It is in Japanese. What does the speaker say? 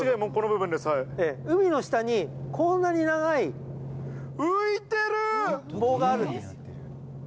海の下にこんな長い棒があるんです。